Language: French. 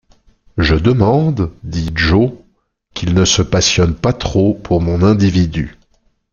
Je demande, dit Joe, qu’ils ne se passionnent pas trop pour mon individu.